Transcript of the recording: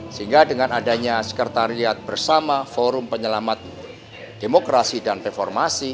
sehingga dengan adanya sekretariat bersama forum penyelamat demokrasi dan reformasi